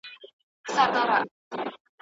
وروسته بيا نور حربي صنايع هم تاسيس سول.